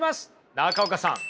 中岡さん。